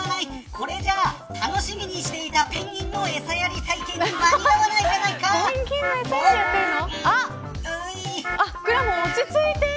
これじゃあ、楽しみにしていたペンギンの餌やり体験に間に合わないペンギンの餌やりやってるの。